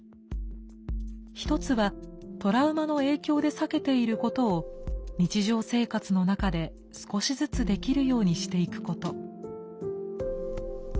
一つはトラウマの影響で避けていることを日常生活の中で少しずつできるようにしていくこと。